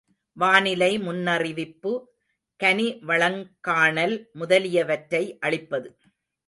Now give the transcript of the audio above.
வானிலை முன்னறிவிப்பு, கனிவளங்காணல் முதலியவற்றை அளிப்பது.